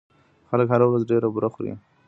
خلک هره ورځ ډېره بوره خوري.